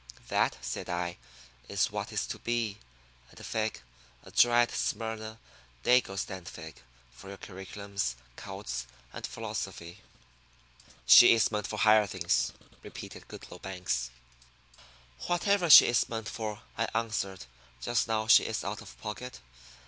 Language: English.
That," said I, "is what is to be; and a fig a dried, Smyrna, dago stand fig for your curriculums, cults, and philosophy." "She is meant for higher things," repeated Goodloe Banks. "Whatever she is meant for," I answered, just now she is out of pocket.